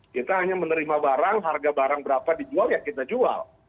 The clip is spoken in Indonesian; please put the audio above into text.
kita hanya menerima barang harga barang berapa dijual ya kita jual